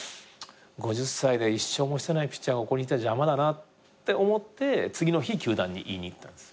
５０歳で１勝もしてないピッチャーがここにいたら邪魔だなって思って次の日球団に言いに行ったんです。